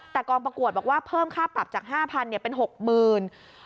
แต่กองประกวดบอกว่าเพิ่มค่าปรับจาก๕๐๐เป็น๖๐๐๐บาท